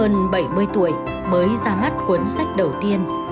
người bảy mươi tuổi mới ra mắt cuốn sách đầu tiên